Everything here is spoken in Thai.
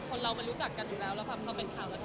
คือสนุกหรือเปล่ามันก็ไม่ได้สนุก